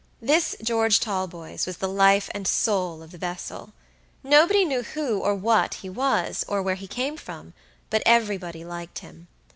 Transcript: This George Talboys was the life and soul of the vessel; nobody knew who or what he was, or where he came from, but everybody liked him.